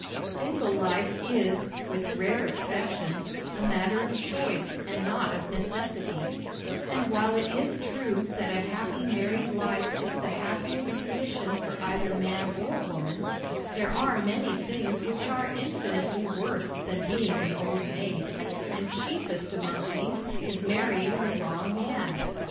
Single life is, with rare exceptions, a matter of choice and not of necessity; and while it is true that a happy married life is the happiest position for either man or woman, there are many things which are infinitely worse than being an old maid, and chiefest among these is marrying the wrong man!